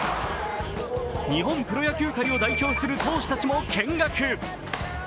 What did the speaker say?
日本プロ野球界を代表する投手たちも見学。